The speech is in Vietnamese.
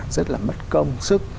rất là mất công sức